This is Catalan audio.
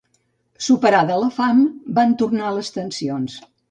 Superada la fam van tornar les tensions.